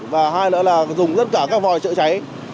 và hai nữa là dùng tất cả các vòi chữa cháy